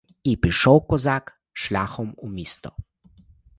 І пішов козак шляхом у місто.